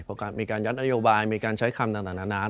มีการยัดนโยบายมีการใช้คำต่างนานา